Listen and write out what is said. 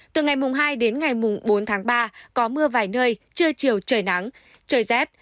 từ ngày hai đến ngày mùng bốn tháng ba có mưa vài nơi trưa chiều trời nắng trời rét